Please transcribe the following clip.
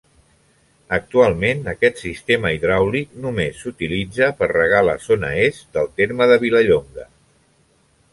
Actualment aquest sistema hidràulic només s'utilitza per regar la zona est del terme de Vilallonga.